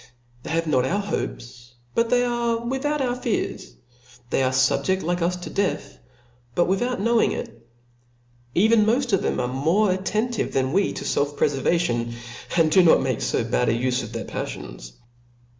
They have not our hopes, but they are without our fears , they are liibjeft like us to death, bat without knowing it ; even moft of them are more attentive than we to felf prefervation, and do not make fo bad a ufe of their paflions.